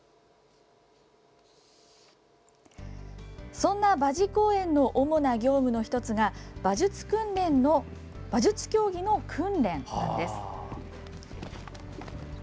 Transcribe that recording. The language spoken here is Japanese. そんな馬事公苑の主な業務の１つが馬術競技の訓練なんです。